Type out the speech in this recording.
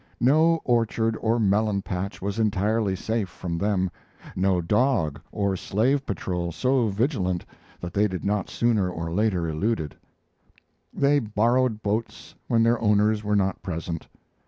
No orchard or melon patch was entirely safe from them; no dog or slave patrol so vigilant that they did not sooner or later elude it. They borrowed boats when their owners were not present.